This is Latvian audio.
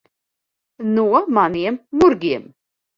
No maniem murgiem.